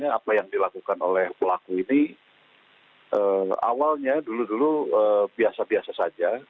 jadi apa yang dilakukan oleh pelaku ini awalnya dulu dulu biasa biasa saja